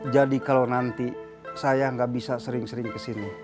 jadi kalau nanti saya gak bisa sering sering kesini